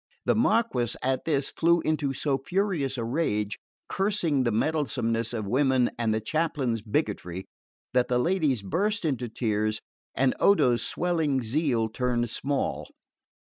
The Marquess at this flew into so furious a rage, cursing the meddlesomeness of women and the chaplain's bigotry, that the ladies burst into tears and Odo's swelling zeal turned small.